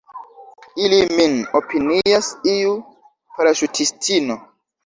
Ili min opinias iu paraŝutistino.